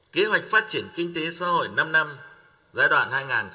kế hoạch phát triển kinh tế xã hội năm năm giai đoạn hai nghìn hai mươi một hai nghìn hai mươi năm